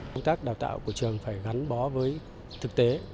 công tác đào tạo của trường phải gắn bó với thực tế